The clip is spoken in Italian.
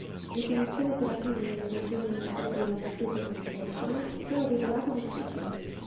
Le condizioni operative nelle regioni montuose della Pacific Extension si sono rivelate difficili.